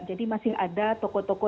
jadi masih ada toko toko